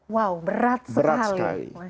wow berat sekali